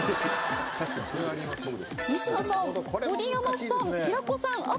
西野さん盛山さん平子さん